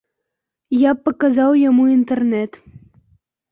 Я б паказаў яму інтэрнэт.